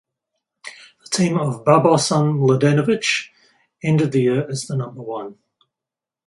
The team of Babos and Mladenovic ended the year as the no.